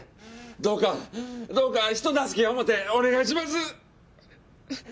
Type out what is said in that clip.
どうかどうか人助けや思うてお願いします！